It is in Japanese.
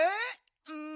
うん。